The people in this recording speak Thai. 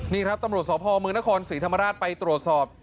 นี่ครับตำรวจสพมนครศรีธรรมราชไปตรวจสอบ